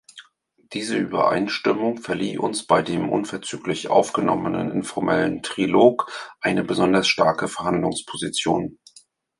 Diese Übereinstimmung verlieh uns bei dem unverzüglich aufgenommenen informellen Trilog eine besonders starke Verhandlungsposition.